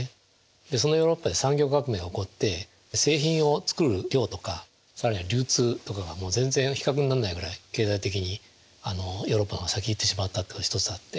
でそのヨーロッパで産業革命が起こって製品を作る量とか更には流通とかがもう全然比較になんないぐらい経済的にヨーロッパが先へ行ってしまったというのが一つあって。